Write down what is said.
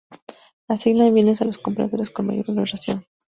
Asignan bienes a los compradores con la mayor valoración.